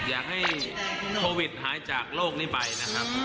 อยากให้โควิดหายจากโรคนี้ไปนะครับ